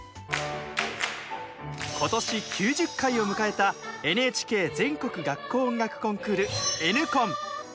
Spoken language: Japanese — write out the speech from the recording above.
今年９０回を迎えたＮＨＫ全国学校音楽コンクール「Ｎコン」。